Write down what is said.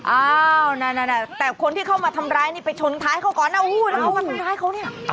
อ้าวแต่คนที่เข้ามาทำร้ายไปชนท้ายเขาก่อนนะเอามาทำร้ายเขานี่